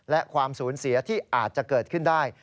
และความสูญเสียที่อาจจะเกิดขึ้นได้